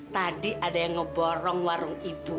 tadi ada yang ngeborong warung ibu